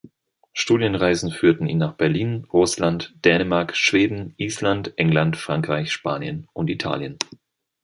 Studienreisen führten ihn nach Berlin, Russland, Dänemark, Schweden, Island, England, Frankreich, Spanien und Italien.